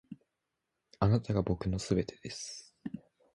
あなたが僕の全てです．